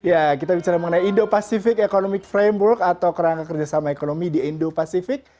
ya kita bicara mengenai indo pacific economic framework atau kerangka kerjasama ekonomi di indo pasifik